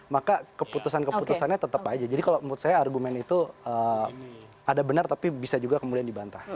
maka keputusan keputusannya tetap aja jadi kalau menurut saya argumen itu ada benar tapi bisa juga kemudian dibantah